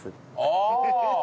ああ！